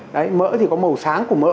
đấy mỡ thì có màu sáng của mỡ